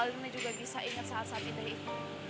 kalau alina juga bisa ingat saat sabi dah itu